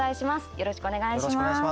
よろしくお願いします。